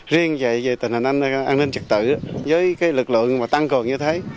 riêng về tình hình an ninh trực tự với lực lượng tăng cường như thế